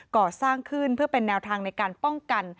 ก่อสร้างขึ้นเพื่อเป็นแนวทางในการป้องกัน